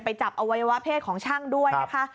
จับอวัยวะเพศของช่างด้วยนะคะ